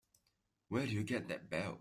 Where'd you get that belt?